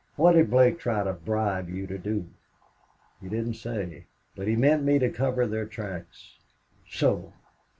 "What did Blake try to bribe you to do?" "He didn't say. But he meant me to cover their tracks." "So!...